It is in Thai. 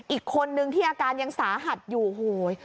อีกคนนึงที่อาการยังสาหัสอยู่โหย